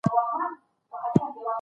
څېړنه د یوې سکالو په اړه ژوره پلټنه ده.